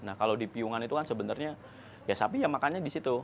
nah kalau di piungan itu kan sebenarnya ya sapi ya makannya di situ